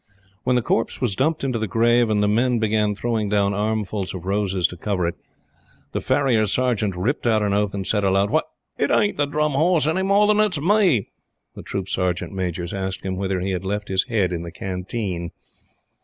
When the corpse was dumped into the grave and the men began throwing down armfuls of roses to cover it, the Farrier Sergeant ripped out an oath and said aloud: "Why, it ain't the Drum Horse any more than it's me!" The Troop Sergeant Majors asked him whether he had left his head in the Canteen.